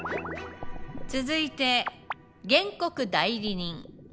続いて原告代理人。